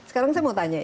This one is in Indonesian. sekarang saya mau tanya